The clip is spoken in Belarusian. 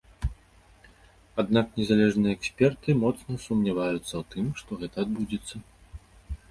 Аднак незалежныя эксперты моцна сумняваюцца ў тым, што гэта адбудзецца.